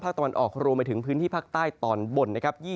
ตะวันออกรวมไปถึงพื้นที่ภาคใต้ตอนบนนะครับ